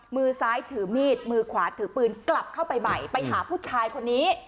มือซ้ายถือมีดมือขวาถือปืนกลับเข้าไปใหม่ไปหาผู้ชายคนนี้